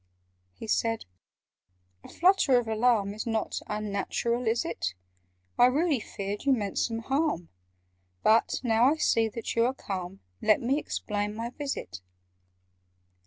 He said "A flutter of alarm Is not unnatural, is it? I really feared you meant some harm: But, now I see that you are calm, Let me explain my visit.